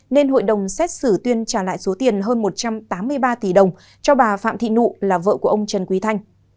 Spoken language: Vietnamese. nên hội đồng xét xử tuyên trả lại số tiền hơn một trăm tám mươi ba tỷ đồng cho bà phạm thị nụ là vợ của ông trần quý thanh